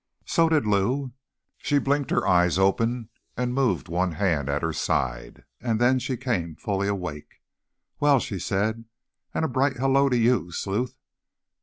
So did Lou. She blinked her eyes open and moved one hand at her side, and then she came fully awake. "Well," she said. "And a bright hello to you, Sleuth.